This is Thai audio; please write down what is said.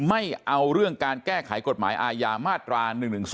ไม่เอาเรื่องการแก้ไขกฎหมายอาญามาตรา๑๑๒